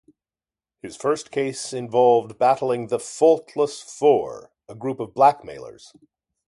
His first case involved battling the "Faultless Four", a group of blackmailers.